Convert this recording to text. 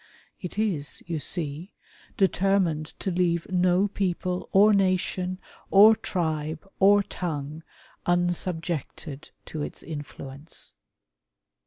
It is, you see, determined to leave no people, or nation, or tribe, or tongue, unsubjected to its infiuence.